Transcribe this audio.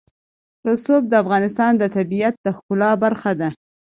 رسوب د افغانستان د طبیعت د ښکلا برخه ده.